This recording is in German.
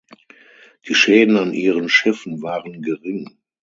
Die Schäden an ihren Schiffen waren gering.